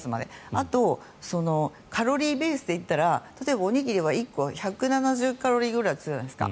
あと、カロリーベースでいったらおにぎりは１個１７０キロカロリーぐらいじゃないですか。